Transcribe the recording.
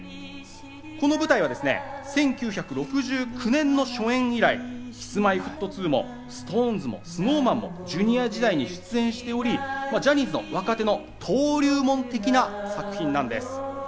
この舞台は１９６９年の初演以来、Ｋｉｓ−Ｍｙ−Ｆｔ２もＳｉｘＴＯＮＥＳもＳｎｏｗＭａｎもＪｒ．時代に出演しており、ジャニーズの若手の登竜門的な作品なんです。